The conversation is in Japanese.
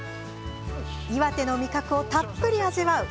岩手の味覚をたっぷり味わう